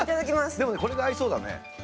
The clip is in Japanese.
でも、これが合いそうだね。